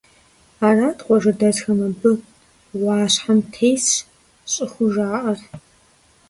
Арат къуажэдэсхэм абы гъуащхьэм тесщ щӀыхужаӀэр.